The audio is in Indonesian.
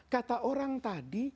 kata orang tadi